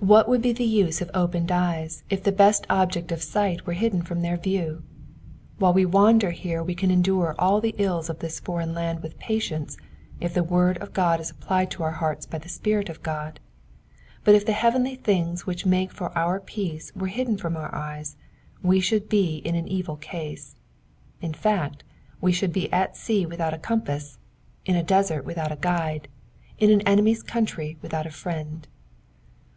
What would be the use of opened eyes if the best object of sight were hidden from their view ? While we wander here we can endure all the ills of this foreign land with patience if the word of God is applied to our hearts by the Spirit of God ; but if the heavenly things which make for our peace were hid from our eyes we should be in an evil case, — in fact, we should be at sea without a compass, in a desert without a guide, in an enemy's country without a friend.